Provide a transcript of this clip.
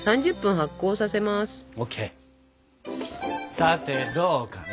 さてどうかな。